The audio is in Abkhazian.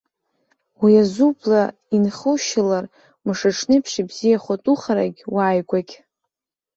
Уи аз убла инхушьылар, мшаҽнеиԥш ибзиахоит ухарагь, уааигәагь.